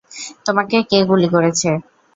তোমাকে কে গুলি করেছে?